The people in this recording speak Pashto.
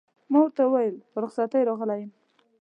ما ورته وویل: په رخصتۍ راغلی یم.